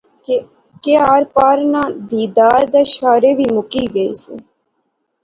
کہ آر پار ناں دیدار یا شارے وی مکی گئے سے